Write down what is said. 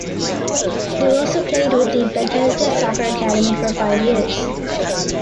Di Rosa played with the Bethesda Soccer academy for five years.